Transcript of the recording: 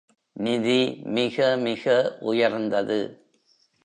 நிதி மிகமிக உயர்ந்தது.